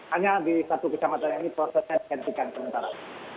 hanya di satu kecamatan ini prosesnya digantikan sementara